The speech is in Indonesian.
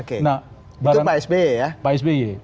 itu pak sby ya